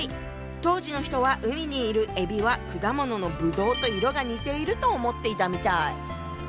当時の人は海にいるえびは果物の葡萄と色が似ていると思っていたみたい。